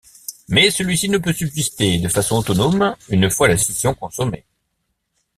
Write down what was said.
Mais celui-ci ne peut subsister de façon autonome une fois la scission consommée.